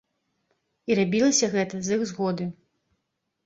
І рабілася гэта з іх згоды.